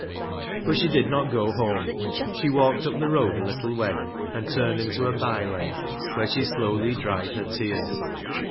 But she did not go home. She walked up the road a little way, and turned into a by lane, where she slowly dried her tears.